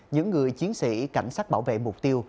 những người chiến sĩ cảnh sát bảo vệ mục tiêu